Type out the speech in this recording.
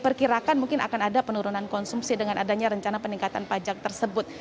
perkirakan mungkin akan ada penurunan konsumsi dengan adanya rencana peningkatan pajak tersebut